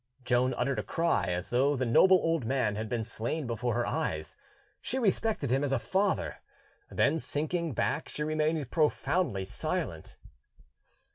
Joan uttered a cry, as though the noble old man had been slain before her eyes: she respected him as a father; then, sinking back, she remained profoundly silent.